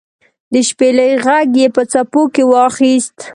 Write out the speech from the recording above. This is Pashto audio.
د شپیلۍ ږغ یې په څپو کې واخیست